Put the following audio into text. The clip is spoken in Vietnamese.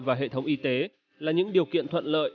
và hệ thống y tế là những điều kiện thuận lợi